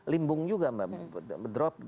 limbung juga mbak drop